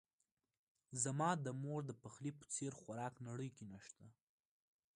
زما د مور دپخلی په څیر خوراک نړۍ کې نه شته